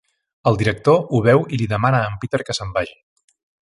El Director ho veu i li demana a en Peter que se'n vagi.